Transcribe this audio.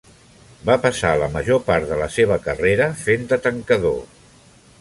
Va passar la major part de la seva carrera fent de tancador.